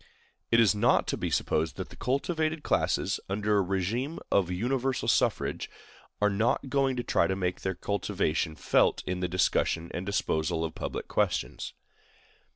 It is not to be supposed that the cultivated classes, under a régime of universal suffrage, are not going to try to make their cultivation felt in the discussion and disposal of public questions.